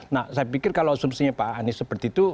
nah saya pikir kalau asumsinya pak anies seperti itu